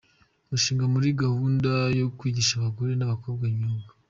Umushinga muri gahunda yo kwigisha abagore n’abakobwa imyuga